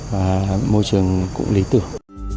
và môi trường cũng lý tưởng